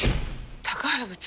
高原部長。